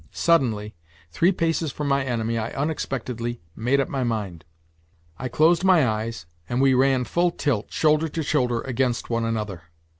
Suddenly, three paces from my enemy, I unexpectedly made up my mind I closed my eyes, and we ran full tilt, shoulder to shoulder, against one another